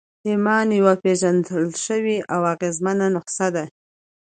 ایمان یوه پېژندل شوې او اغېزمنه نسخه ده